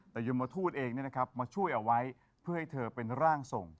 แต่ยมทูตเองมาช่วยเอาไว้เพื่อให้เธอเป็นร่างทรง